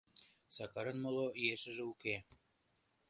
Сакарын моло ешыже уке.